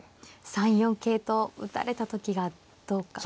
３四桂と打たれた時がどうか。